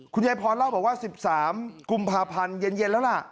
คุณยายพรเล่าบอกว่า๑๓กุมภาพันธ์เย็นแล้วล่ะ